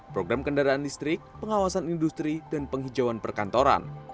program kendaraan listrik pengawasan industri dan penghijauan perkantoran